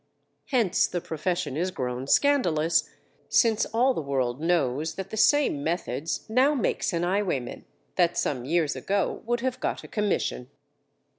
_ Hence the profession is grown scandalous, since all the world knows that the same methods now makes an highwayman, that some years ago would have got a commission.